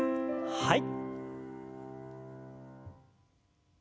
はい。